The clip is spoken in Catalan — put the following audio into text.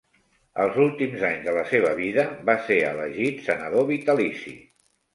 Els últims anys de la seva vida, va ser elegit senador vitalici.